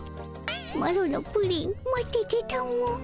マロのプリン待っててたも。